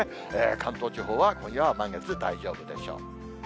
関東地方は今夜は満月、大丈夫でしょう。